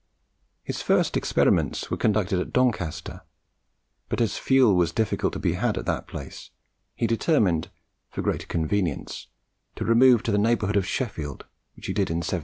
His first experiments were conducted at Doncaster; but as fuel was difficult to be had at that place, he determined, for greater convenience, to remove to the neighbourhood of Sheffield, which he did in 1740.